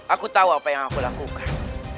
aku tahu apa yang aku lakukan